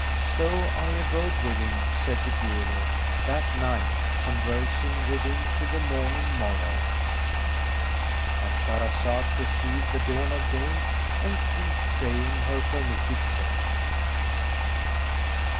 "So I abode with him (said the jeweller) that night conversing with him till the morning morrowed,"—And Shahrazad perceived the dawn of day and ceased saying her permitted say.